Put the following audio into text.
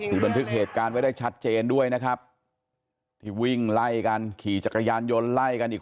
บันทึกเหตุการณ์ไว้ได้ชัดเจนด้วยนะครับที่วิ่งไล่กันขี่จักรยานยนต์ไล่กันอีก